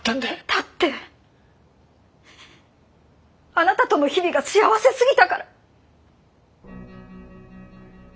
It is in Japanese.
だってあなたとの日々が幸せすぎたから。